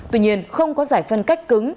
tuy nhiên không có giải phân cách cứng